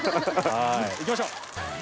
行きましょう。